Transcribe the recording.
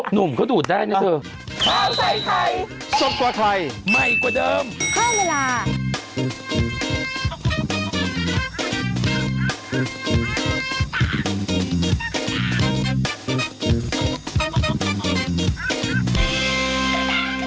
หนุ่มเขาดูดได้นะเธอ